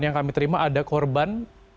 yang kami terima ada korban